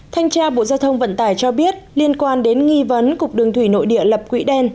thanh tra bộ giao thông vận tải cho biết liên quan đến nghi vấn cục đường thủy nội địa lập quỹ đen